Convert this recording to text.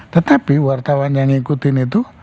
tetapi wartawan yang ngikutin itu